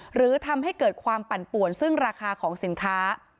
หรือทำให้เกิดความปั่นป่วนซึ่งราคาของสินค้า